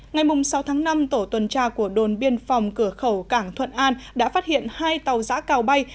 ngày sáu tháng năm tổ tuần tra của đồn biên phòng cửa khẩu cảng thuận an đã phát hiện hai tàu giã cào bay